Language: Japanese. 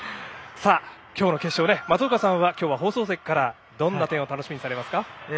きょうの決勝、松岡さんはきょうは放送席からどんな点を楽しみにされますか？